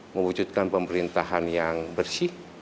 mewujudkan pemerintahan yang bersih